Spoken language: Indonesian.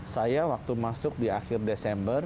saya waktu masuk di akhir desember